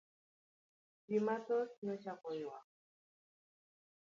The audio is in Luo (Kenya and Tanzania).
Ji mathoth nochako ywak….